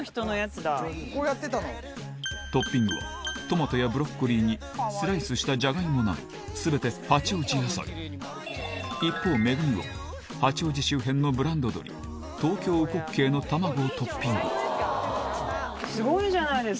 トッピングはトマトやブロッコリーにスライスしたじゃがいもなど全て八王子野菜一方ＭＥＧＵＭＩは八王子周辺のブランド鶏東京うこっけいの卵をトッピングスゴいじゃないですか。